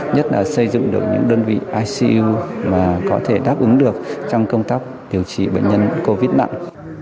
nhất là xây dựng được những đơn vị icu mà có thể đáp ứng được trong công tác điều trị bệnh nhân covid nặng